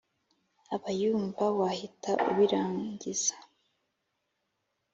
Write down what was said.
Abayumva wahita ubirangiza